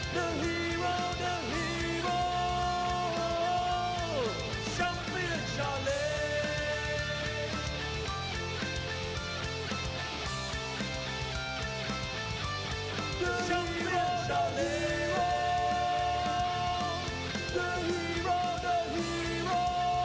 ตอนนี้มันถึงมวยกู้ที่๓ของรายการสุดยอดกีฬาการสุดยอดกีฬาการ